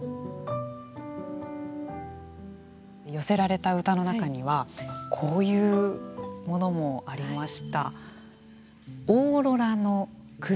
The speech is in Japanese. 寄せられた歌の中にはこういうものもありました。